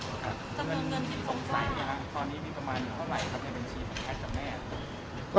จำนวนเงินที่สงสัยตอนนี้มีประมาณอยู่เท่าไหร่ครับในบัญชีของแพทย์กับแม่